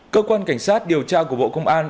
cơ quan cảnh sát điều tra của bộ công an